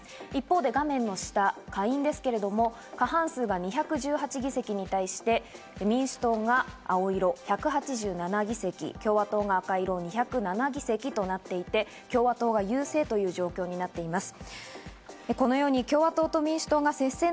一方で画面の下、下院ですけど、過半数が２１８議席に対して、民主党が青色１８７議席、共和党が赤色２０７議席となっていて、共和党が優勢という状況になっています。